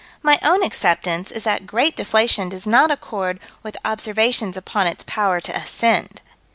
My own acceptance is that great deflation does not accord with observations upon its power to ascend.